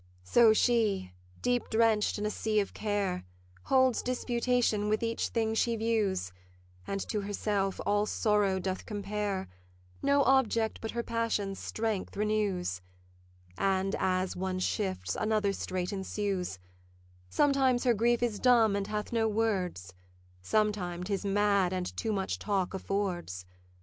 So she, deep drenched in a sea of care, Holds disputation with each thing she views, And to herself all sorrow doth compare; No object but her passion's strength renews; And as one shifts, another straight ensues: Sometime her grief is dumb and hath no words; Sometime 'tis mad and too much talk affords.